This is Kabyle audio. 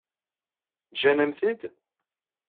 Ǧǧan-am-t-id?